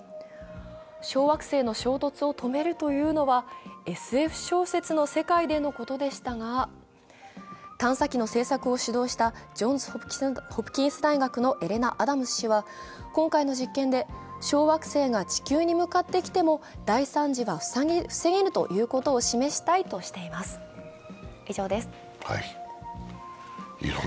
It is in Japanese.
小惑星の衝突を止めるというのはＳＦ小説の世界でのことでしたが、探査機の政策を指導したジョンズ・ホプキンス大学のエレナ・アダムス氏は、今回の実験で小惑星が地球に向かってきても、大惨事は防げるということを示したいとしています。